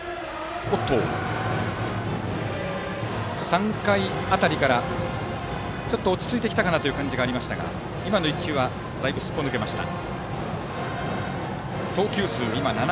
３回辺りからちょっと落ち着いてきた感じがありましたが今の１球はだいぶすっぽ抜けました。